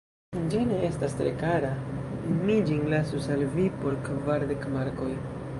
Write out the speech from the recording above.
Ĝi ne estas tre kara, mi ĝin lasus al vi por kvardek markoj.